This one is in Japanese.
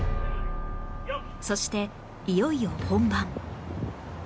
そしていよいよ本番